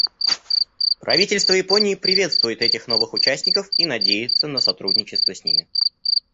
Правительство Японии приветствует этих новых участников и надеется на сотрудничество с ними.